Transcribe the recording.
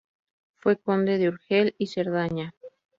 Fue conde de Urgel y Cerdaña.